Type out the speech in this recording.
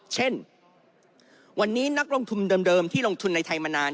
เช่นวันนี้นักลงทุนเดิมที่ลงทุนในไทยมานาน